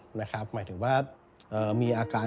หมายถึงว่ามีอาการ